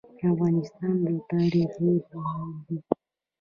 افغانستان د تاریخ هیواد دی